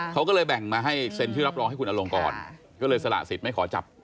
เขาก็เลยแบ่งมาให้เซ็นชื่อรับรองให้คุณอลงกรก็เลยสละสิทธิ์ไม่ขอจับ